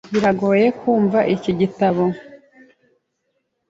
Biragoye kumva iki gitabo.